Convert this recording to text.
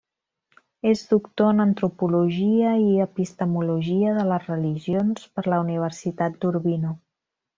És doctor en antropologia i epistemologia de les religions per la Universitat d'Urbino.